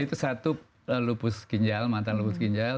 itu satu lupus ginjal mantan lupus ginjal